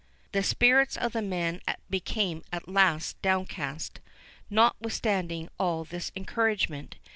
The spirits of the men became at last downcast, notwithstanding all this encouragement.